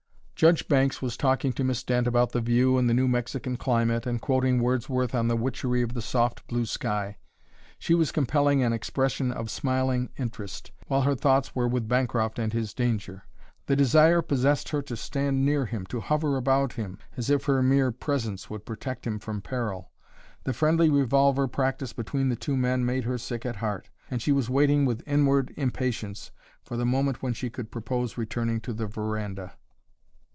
Judge Banks was talking to Miss Dent about the view and the New Mexican climate, and quoting Wordsworth on "the witchery of the soft blue sky." She was compelling an expression of smiling interest, while her thoughts were with Bancroft and his danger. The desire possessed her to stand near him, to hover about him, as if her mere presence would protect him from peril. The friendly revolver practice between the two men made her sick at heart, and she was waiting with inward impatience for the moment when she could propose returning to the veranda.